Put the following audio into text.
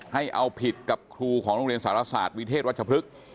ให้เอาผิดกับครูของโรงเรียนสารศาสตร์วิเทศวัชพฤกษ์